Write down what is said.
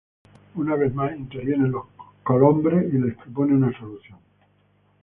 Una vez más intervienen los Colombres y les proponen una solución.